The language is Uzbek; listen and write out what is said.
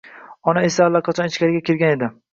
Ona esa allaqachon ichkariga kirgan edi